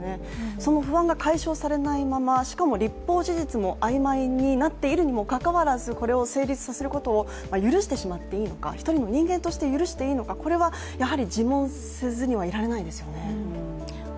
その不安が解消されないまま、しかも立法事実も曖昧になってるにもかかわらずこれを成立させることを許してしまっていいのか、一人の人間として許していいのか、これはやはり自問せずにはいられないですよね。